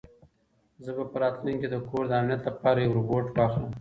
زه به په راتلونکي کې د کور د امنیت لپاره یو روبوټ واخلم.